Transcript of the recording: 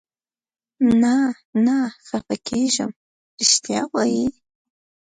نه، نه خفه کېږم، رښتیا وایې؟